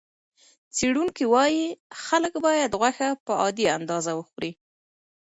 څېړونکي وايي خلک باید غوښه په عادي اندازه وخوري.